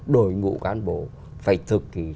đội ngũ cán bộ phải thực hiện